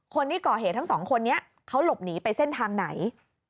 คนที่ก่อเหตุทั้งสองคนนี้เขาหลบหนีไปเส้นทางไหน